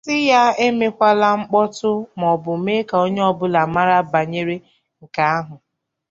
sị ya emekwala mkpọtụ maọbụ mee ka onye ọbụla mara banyere nke ahụ